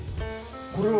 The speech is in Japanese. これは？